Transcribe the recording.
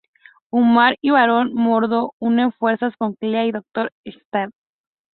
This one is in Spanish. Umar y Barón Mordo unen fuerzas con Clea y Doctor Strange.